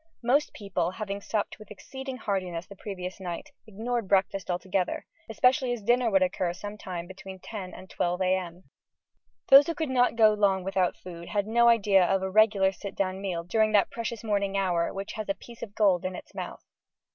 Most people, having supped with exceeding heartiness the previous night, ignored breakfast altogether: especially as dinner would occur some time between 10 and 12 a.m. Those who could not go long without food had no idea of a regular sit down meal during that precious morning hour which "has a piece of gold in its mouth."